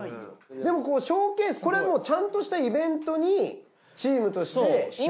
このショーケースちゃんとしたイベントにチームとして出演した。